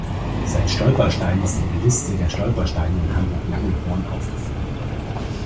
Sein Stolperstein ist in der Liste der Stolpersteine in Hamburg-Langenhorn aufgeführt.